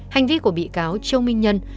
hành vi của bị cáo châu minh nhân